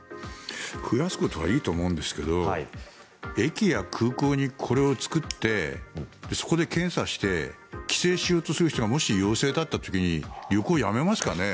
増やすことはいいことだと思うんですけど駅や空港に、これを作ってそこで検査して帰省しようとする人がもし陽性だった時に旅行辞めますかね。